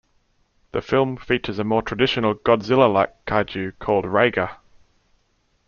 The film features a more traditional Godzilla like kaiju called Raiga.